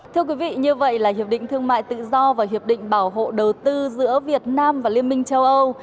thưa quý vị như vậy là hiệp định thương mại tự do và hiệp định bảo hộ đầu tư giữa việt nam và liên minh châu âu